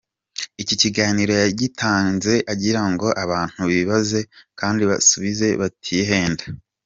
Iki kiganiro yagitanze agira ngo abantu bibaze kandi basubize batihenda.